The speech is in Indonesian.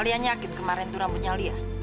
kalian nyakit kemarin tuh rambutnya lia